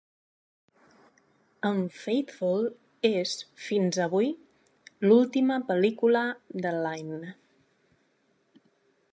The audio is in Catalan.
"Unfaithful" és, fins avui, l'última pel·lícula de Lyne.